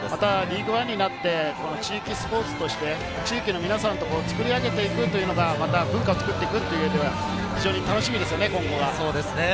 リーグワンになって地域スポーツとして地域の皆さんと作り上げていくっていうのが文化を作っていくっていうのが楽しみですね。